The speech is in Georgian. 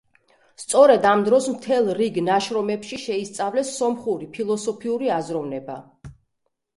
სწორედ ამ დროს, მთელ რიგ ნაშრომებში შეისწავლეს სომხური ფილოსოფიური აზროვნება.